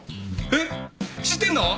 えっ知ってんの？